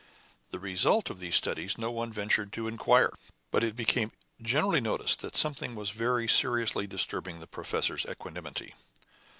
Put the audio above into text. The result of these studies no one ventured to inquire; but it became generally noticed that something was very seriously disturbing the professor's equanimity.